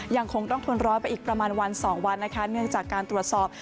ยังคงต้องทนร้อนไปอีกประมาณวันสองวันนะคะเนื่องจากการตรวจสอบ